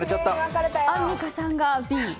アンミカさんがＢ。